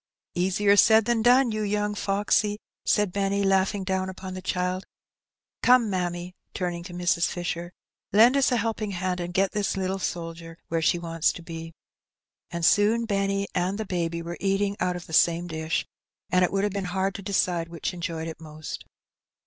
^^ Easier said than done, you young foxy," said Benny, laughing down upon the child. " Come, mammy," turning to Mrs. Fisher, " lend us a helping hand, and get this young soldier where she wants to be." And soon Benny and baby 248 Her Benny. were eating out of the same dish^ and it would have been hard to decide which enjoyed it most.